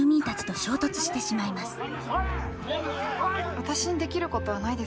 私にできることはないですか？